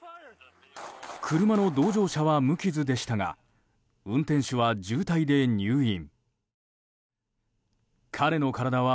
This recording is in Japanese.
車の同乗者は無傷でしたが運転手は重体で入院。